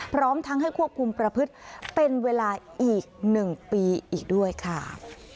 พร้อมทั้งให้ควบคุมประพฤติเป็นเวลาอีก๑ปีอีกด้วยค่ะ